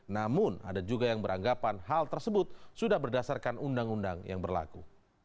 namun ada juga yang beranggapan hal tersebut sudah berdasarkan undang undang yang berlaku